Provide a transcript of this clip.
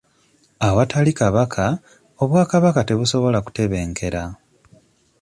Awatali Kabaka, obwakabaka tebusobola kutebenkera.